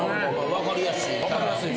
分かりやすいね。